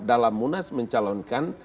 dalam munas mencalonkan